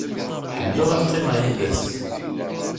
Ḥemmleɣ ad qqimeɣ yid-s.